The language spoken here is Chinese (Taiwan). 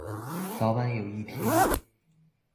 早晚有一天